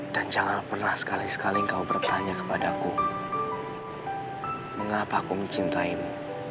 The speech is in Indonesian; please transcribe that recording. dan jangan pernah sekali kali kau bertanya kepadaku mengapa ku mencintaimu